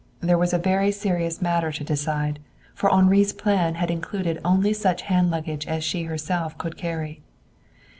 There was a very serious matter to decide, for Henri's plan had included only such hand luggage as she herself could carry.